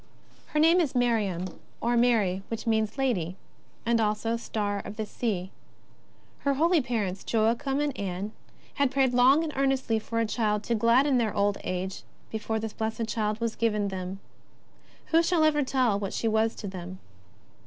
Her name is Miriam, or Mary, which means " Lady," and also " Star of the Sea." Her holy parents, Joa chim and Anne, had prayed long and earnestly for a child to gladden their old age before this blessed child was given them. Who shall ever tell what she was to them